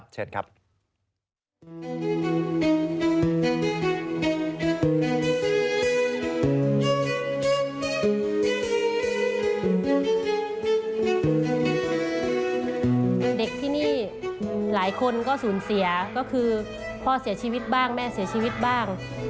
เด็กที่นี่หลายคนก็สูญเสียก็คือพ่อเสียชีวิตบ้างแม่เสียชีวิตบ้าง